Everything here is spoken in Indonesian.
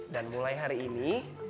dan mulai hari ini